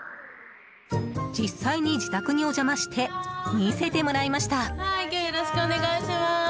実際に自宅にお邪魔して見せてもらいました。